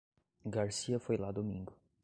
Garcia foi lá domingo.